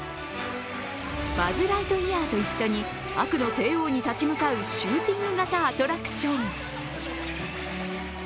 バズ・ライトイヤーと一緒に悪の帝王に立ち向かうシューティング型アトラクション。